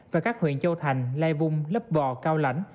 và các huyện châu thành lai vung lấp bò cao lãnh